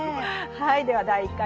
はいでは第１回